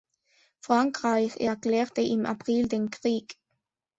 Frankreich erklärte im April den Krieg.